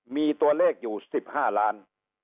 มีตัวเลขอยู่๑๕ล้าน